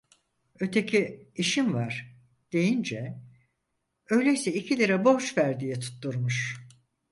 Öteki: "İşim var!" deyince, "Öyleyse iki lira borç ver!" diye tutturmuş.